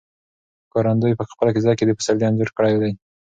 ښکارندوی په خپله قصیده کې د پسرلي انځور کړی دی.